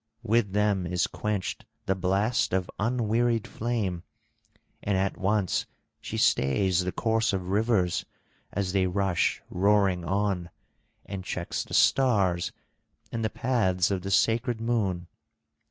With them is quenched the blast of unwearied flame, and at once she stays the course of rivers as they rush roaring on, and checks the stars and the paths of the sacred moon.